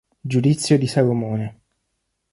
Giudizio di Salomone